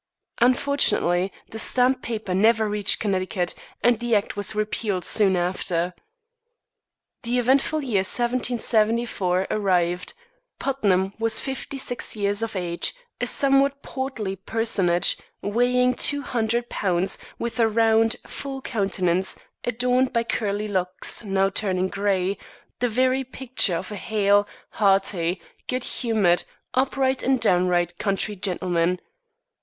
Fortunately, the stamped paper never reached Connecticut, and the act was repealed soon after. The eventful year, 1774, arrived. Putnam was fifty six years of age, a somewhat portly personage, weighing two hundred pounds, with a round, full countenance, adorned by curly locks, now turning gray the very picture of a hale, hearty, good humored, upright and downright country gentleman.